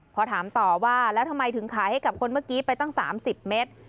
พอถามต่อว่าแล้วทำไมถึงขายให้กับคนเมื่อกี้ไปตั้ง๓๐เมตร